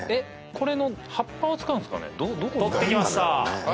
これの葉っぱを使うんすかね